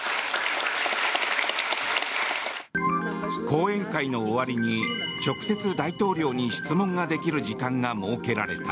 講演会の終わりに直接、大統領に質問ができる時間が設けられた。